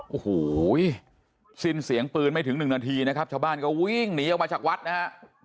โอ้โหสิ้นเสียงปืนไม่ถึงหนึ่งนาทีนะครับชาวบ้านก็วิ่งหนีออกมาจากวัดนะฮะ